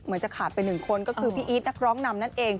จะขาดไปหนึ่งคนก็คือพี่อีทนักร้องนำนั่นเอง